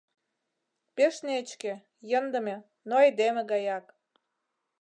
Пеш нечке, йӧндымӧ, но айдеме гаяк.